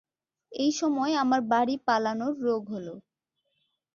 এই সময় আমার বাড়ি-পালোনর রোগ হল।